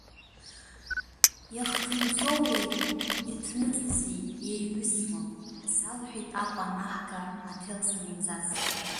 Иахҭынҵоуи иаҭныҵызи еиҩысуам ҳәа, салҳәеит Аҟәа анаҳга, аҭел санылзас.